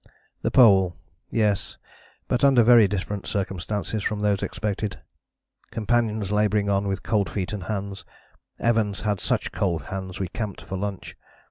"The Pole. Yes, but under very different circumstances from those expected ... companions labouring on with cold feet and hands.... Evans had such cold hands we camped for lunch